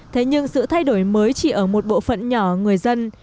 thế nhưng sự thay đổi mới chỉ ở một bộ phận nhỏ người dân